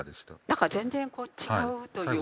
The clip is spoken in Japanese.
何か全然違うというか。